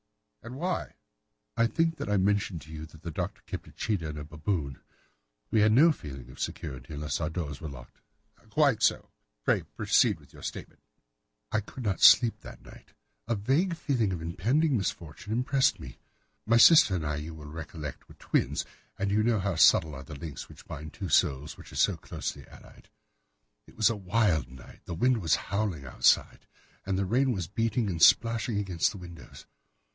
"And why?" "I think that I mentioned to you that the Doctor kept a cheetah and a baboon. We had no feeling of security unless our doors were locked." "Quite so. Pray proceed with your statement." "I could not sleep that night. A vague feeling of impending misfortune impressed me. My sister and I, you will recollect, were twins, and you know how subtle are the links which bind two souls which are so closely allied. It was a wild night. The wind was howling outside, and the rain was beating and splashing against the windows.